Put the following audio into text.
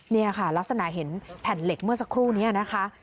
นี่ค่ะลักษณะเห็นแผ่นเหล็กเมื่อสักครู่นี้นะคะ